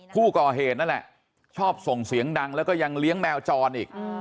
ผู้ก่อเหตุนั่นแหละชอบส่งเสียงดังแล้วก็ยังเลี้ยงแมวจรอีก